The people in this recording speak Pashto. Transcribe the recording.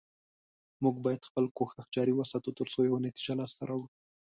موږ باید خپل کوشش جاري وساتو، تر څو یوه نتیجه لاسته راوړو